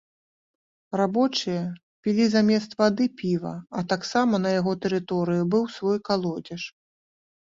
Рабочыя пілі замест вады, піва, а таксама на яго тэрыторыі быў свой калодзеж.